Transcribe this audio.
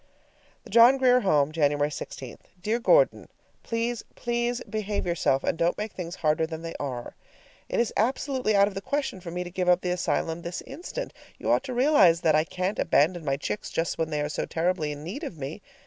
THE JOHN GRIER HOME, January 16. Dear Gordon: Please, please behave yourself, and don't make things harder than they are. It's absolutely out of the question for me to give up the asylum this instant. You ought to realize that I can't abandon my chicks just when they are so terribly in need of me.